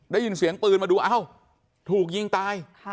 ได้ยินเสียงปืนมาดูเอ้าถูกยิงตาย